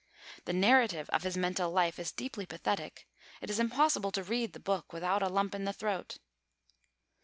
The narrative of his mental life is deeply pathetic. It is impossible to read the book without a lump in the throat.